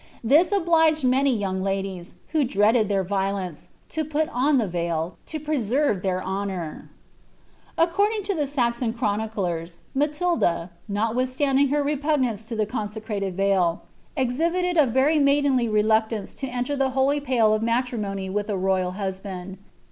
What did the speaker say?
This obliged many young ladies, who dreaded their violence, to put on the veil, to preserve their honour.^' According to the Saxon chroniclers, Matilda, notwithstanding her repugnance to the consecrated veil, exhibited a very maidenly reluctance to enter the holy pale of matrimony with a royal husband.